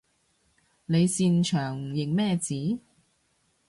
你擅長認咩字？